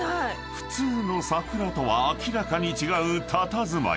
［普通の桜とは明らかに違うたたずまい］